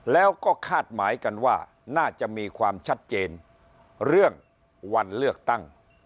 แล้วก็คาดหมายกันว่าน่าจะมีความชัดเจนเรื่องวันเลือกตั้ง